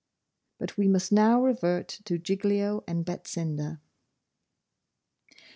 But we must now revert to Giglio and Betsinda. XI.